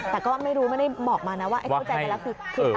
แต่ก็ไม่รู้ไม่ได้บอกมานะว่าเข้าใจกันแล้วคือ